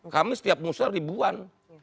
kami setiap musrah ribuan